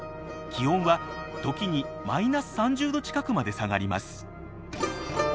気温は時にマイナス３０℃近くまで下がります。